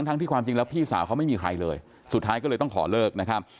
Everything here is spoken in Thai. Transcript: ที่ความจริงแล้วพี่สาวเขาไม่มีใครเลยสุดท้ายก็เลยต้องขอเลิกนะครับ